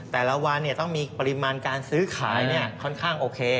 แต่ละวันต้องมีปริมาณการซื้อขายค่อนข้างโอเค